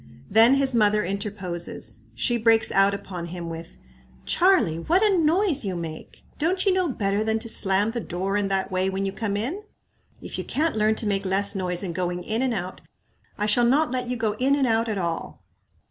Then his mother interposes. She breaks out upon him with, "Charlie, what a noise you make! Don't you know better than to slam the doer in that way when you come in? If you can't learn to make less noise in going in and out, I shall not let you go in and out at all."